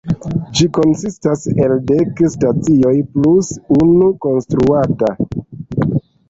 Ĝi konsistas el dek stacioj plus unu konstruata.